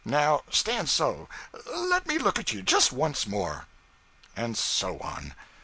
Now, stand so; let me look at you just once more.' And so on.